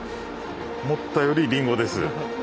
思ったよりリンゴです。